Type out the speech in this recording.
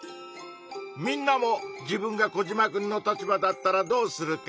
みんなも自分がコジマくんの立場だったらどうするか。